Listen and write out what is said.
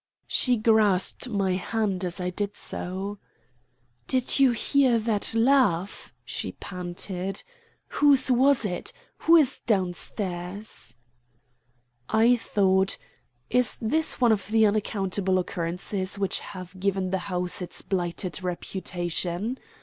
She grasped my hand as I did so. "Did you hear that laugh?" she panted. "Whose was it? Who is down stairs?" I thought, "Is this one of the unaccountable occurrences which have given the house its blighted reputation?"